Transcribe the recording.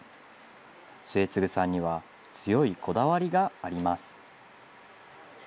末次さんには、強いこだわりがあります。